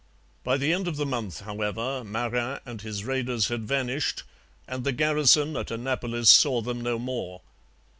By the end of the month, however, Marin and his raiders had vanished and the garrison at Annapolis saw them no more.